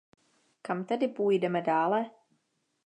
Kam tedy půjdeme dále?